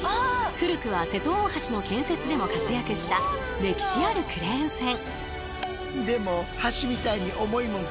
古くは瀬戸大橋の建設でも活躍した歴史あるクレーン船。